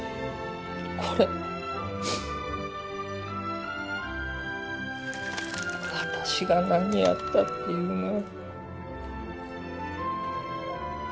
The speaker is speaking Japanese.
これ私が何やったっていうのよ？